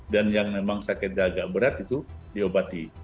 dan yang memang sakitnya agak berat itu diobati